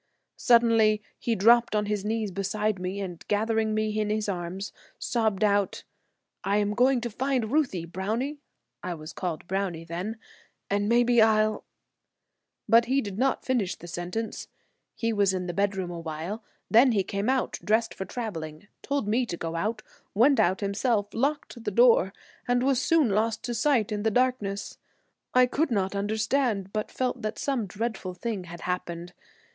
"Suddenly he dropped on his knees beside me and gathering me in his arms, sobbed out: 'I am going to find Ruthie, Brownie [I was called Brownie then] and maybe I'll ,' but he did not finish the sentence. He was in the bedroom awhile, then he came out, dressed for traveling, told me to go out, went out himself, locked the door and was soon lost to sight in the darkness. I could not understand, but felt that some dreadful thing had happened.